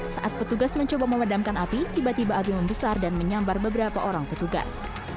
saat petugas mencoba memadamkan api tiba tiba api membesar dan menyambar beberapa orang petugas